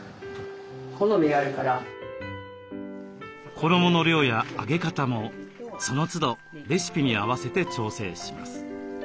衣の量や揚げ方もそのつどレシピに合わせて調整します。